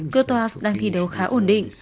cottois đang thi đấu khá ổn định